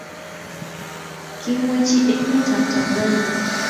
kimwechi ametab Tanzania